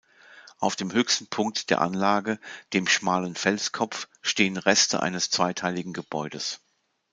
Auf dem höchsten Punkt der Anlage, dem schmalen Felskopf, stehen Reste eines zweiteiligen Gebäudes.